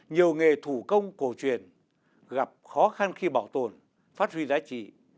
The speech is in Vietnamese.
nhiều nghề thủ công cổ truyền gặp khó khăn khi bảo tồn phát huy giá trị